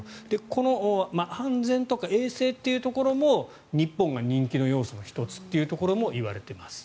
この安全とか衛生というところも日本が人気の要素の１つというところも言われています。